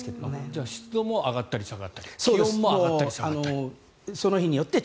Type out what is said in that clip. じゃあ湿度も上がったり下がったり気温も上がったり下がったり。